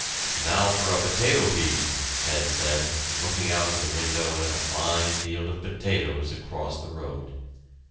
"Now for a potato feed," Ted said, looking out of the window at a fine field of potatoes across the road.